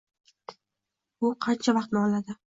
Bu qancha vaqtni oladi?